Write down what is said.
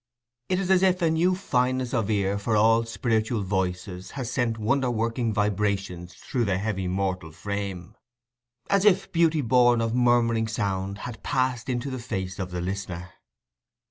It is as if a new fineness of ear for all spiritual voices had sent wonder working vibrations through the heavy mortal frame—as if "beauty born of murmuring sound" had passed into the face of the listener.